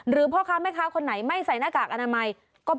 พ่อค้าแม่ค้าคนไหนไม่ใส่หน้ากากอนามัย